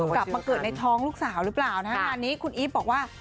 กลับมาเกิดในท้องลูกสาวหรือเปล่านะฮะงานนี้คุณอีฟบอกว่า